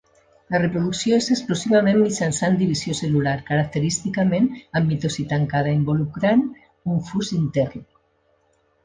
La reproducció és exclusivament mitjançant divisió cel·lular, característicament amb mitosi tancada, involucrant un fus intern.